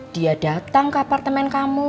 dia datang ke apartemen kamu